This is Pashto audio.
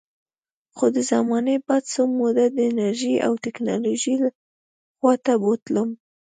خو د زمانې باد څه موده د انجینرۍ او ټیکنالوژۍ خوا ته بوتلم